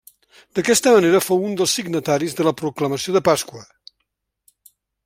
D'aquesta manera, fou un dels signataris de la Proclamació de Pasqua.